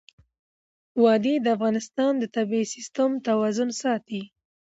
وادي د افغانستان د طبعي سیسټم توازن ساتي.